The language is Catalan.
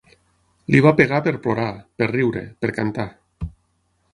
Li va pegar per plorar, per riure, per cantar.